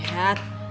udah gak usah